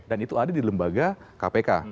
dan itu ada di lembaga kpk